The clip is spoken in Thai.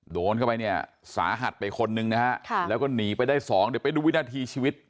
โดนเข้าไปเนี่ยสาหัสไปคนนึงนะฮะแล้วก็หนีไปได้สองเดี๋ยวไปดูวินาทีชีวิต